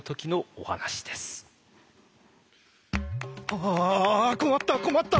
あ困った困った！